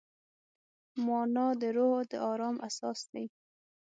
مانا د روح د ارام اساس دی.